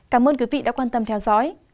cảm ơn quý vị đã quan tâm theo dõi